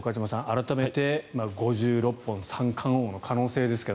改めて５６本三冠王の可能性ですが。